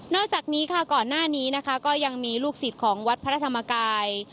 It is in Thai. อกจากนี้ค่ะก่อนหน้านี้นะคะก็ยังมีลูกศิษย์ของวัดพระธรรมกาย